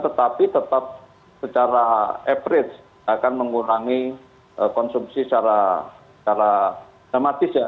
tetapi tetap secara average akan mengurangi konsumsi secara dramatis ya